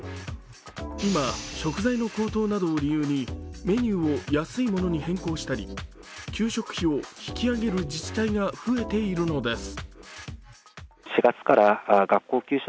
今、食材の高騰などを理由にメニューを安いものに変更したり給食費を引き上げる自治体が増えているのです。